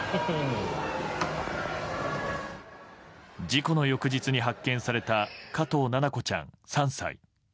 事故の翌日に発見された加藤七菜子ちゃん、３歳。